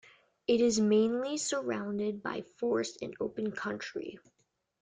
It is mainly surrounded by forest and open country.